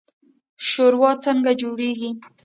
شورا څنګه جوړیږي؟